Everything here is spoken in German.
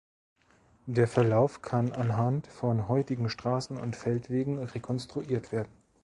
Der Verlauf kann anhand von heutigen Straßen und Feldwegen rekonstruiert werden.